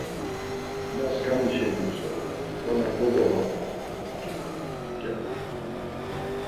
Ma skani şeni bzop̌on varna kogomağari ya utzu mǩyapuk.